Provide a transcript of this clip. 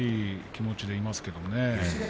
気持ちでいますけどね。